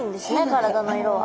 体の色は。